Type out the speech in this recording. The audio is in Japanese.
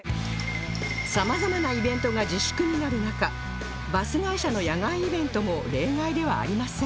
様々なイベントが自粛になる中バス会社の野外イベントも例外ではありません